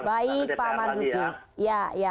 baik pak marzuki